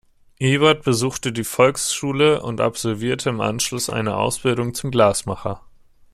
Ebert besuchte die Volksschule und absolvierte im Anschluss eine Ausbildung zum Glasmacher.